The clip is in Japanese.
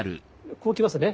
こう来ますね。